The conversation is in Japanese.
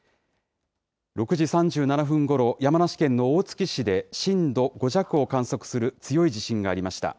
６時３７分ごろ、山梨県の大月市で震度５弱を観測する強い地震がありました。